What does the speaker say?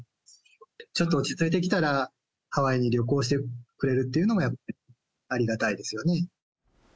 ちょっと落ち着いてきたら、ハワイに旅行してくれるというのが、やっぱりありがたいですよね。